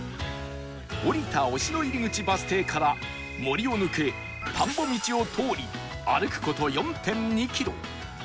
降りた忍野入口バス停から森を抜け田んぼ道を通り歩く事 ４．２ キロ